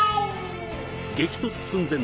激突寸前！